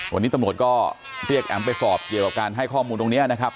วันนี้ตำรวจก็เรียกแอ๋มไปสอบเกี่ยวกับการให้ข้อมูลตรงนี้นะครับ